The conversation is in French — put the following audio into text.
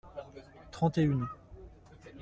Trente et une.